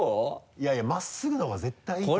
いやいや真っすぐのほうが絶対いいと思う。